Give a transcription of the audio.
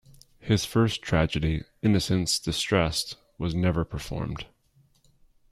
His first tragedy, "Innocence Distress'd," was never performed.